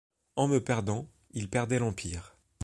En me perdant, il perdait l'empire !